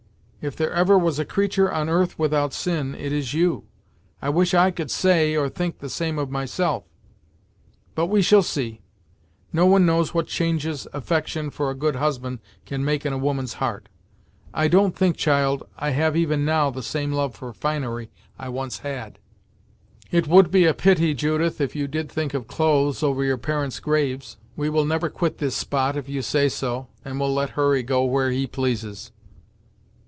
If there ever was a creature on earth without sin, it is you! I wish I could say, or think the same of myself; but we shall see. No one knows what changes affection for a good husband can make in a woman's heart. I don't think, child, I have even now the same love for finery I once had." "It would be a pity, Judith, if you did think of clothes, over your parents' graves! We will never quit this spot, if you say so, and will let Hurry go where he pleases."